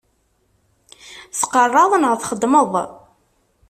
Tqerraḍ neɣ txeddmeḍ?